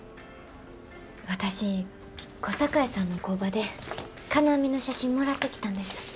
私小堺さんの工場で金網の写真もらってきたんです。